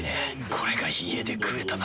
これが家で食えたなら。